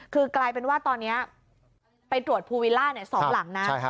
คือกลายเป็นว่าตอนนี้ไปตรวจภูวิลล่า๒หลังนะ